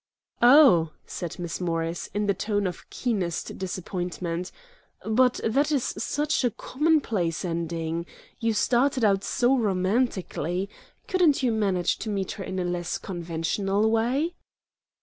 "Oh," said Miss Morris, in the tone of keenest disappointment, "but that is such a commonplace ending! You started out so romantically. Couldn't you manage to meet her in a less conventional way?"